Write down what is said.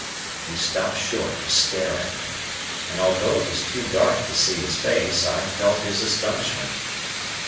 He stopped short to stare at me, and although it was too dark to see his face, I felt his astonishment.